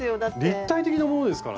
立体的なものですからね。